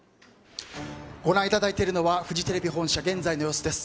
ご覧いただいているのはフジテレビ本社現在の様子です。